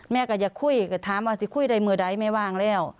แม่ก็อยากคุยถามว่าสิคุยในมือใดไม่ว่างแล้ว